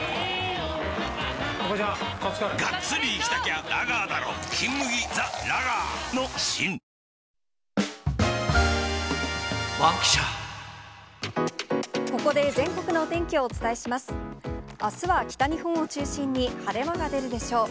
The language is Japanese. あすは北日本を中心に晴れ間が出るでしょう。